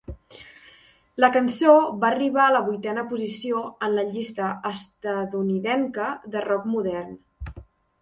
La cançó va arribar a la vuitena posició en la llista estatunidenca de rock modern.